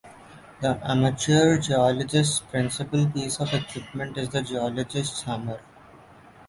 The amateur geologist's principal piece of equipment is the geologist's hammer.